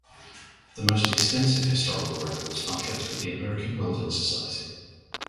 The most extensive historical records are kept with the American Welding Society.